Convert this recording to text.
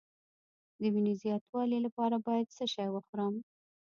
د وینې د زیاتوالي لپاره باید څه شی وخورم؟